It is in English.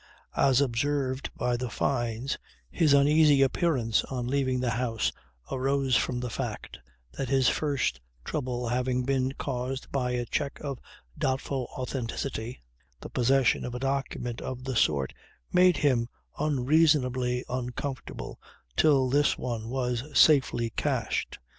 As observed by the Fynes, his uneasy appearance on leaving the house arose from the fact that his first trouble having been caused by a cheque of doubtful authenticity, the possession of a document of the sort made him unreasonably uncomfortable till this one was safely cashed.